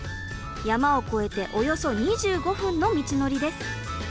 山を越えておよそ２５分の道のりです。